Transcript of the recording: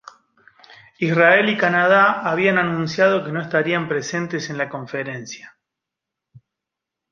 Israel y Canadá habían anunciado que no estarían presentes en la conferencia.